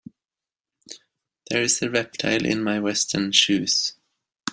There is a reptile in my western shoes.